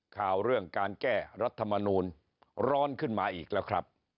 ข่าวเรื่องการแก้รัฐมนูลร้อนขึ้นมาอีกแล้วครับ